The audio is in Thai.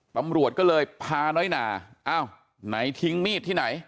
ตำรวจก็เลยพาน้อยหนาอ้าวไหนทิ้งมีดที่ไหน